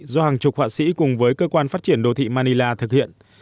do hàng chục họa sĩ cùng với cơ quan phát triển đô thị manila thực hiện